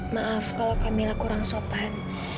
maaf kalau kamilah kurang sopan